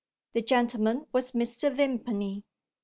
The gentleman was Mr. Vimpany.